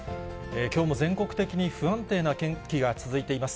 きょうも全国的に不安定な天気が続いています。